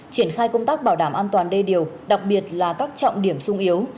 triển khai công tác bảo đảm an toàn đê điều đặc biệt là các trọng điểm sung yếu